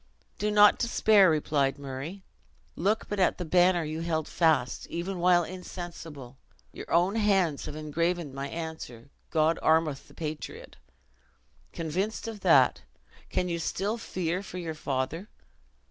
"Do not despair," replied Murray; "look but at the banner you held fast, even while insensible; your own hands have engraven my answer God armeth the patriot! Convinced of that, can you still fear for you father?